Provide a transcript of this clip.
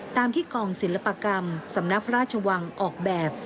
ตามที่กองศิลปกรรมสำนักพระราชวังออกแบบ